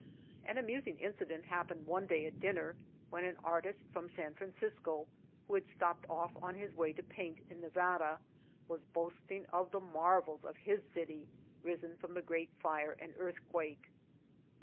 An amusing incident hap pened one day at dinner when an artist from San Francisco, who had stopped off on his way to paint in Nevada, was boasting of the marvels of his city risen from the great fire and earth quake.